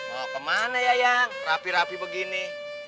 mau kemana yayang rapi rapi begini